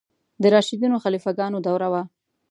د راشدینو خلیفه ګانو دوره وه.